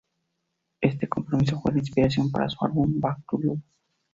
Este compromiso fue la inspiración para su álbum "Back to Love".